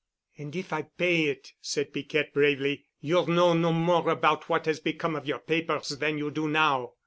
"And if I pay it," said Piquette bravely, "you'll know no more about what has become of your papers than you do now."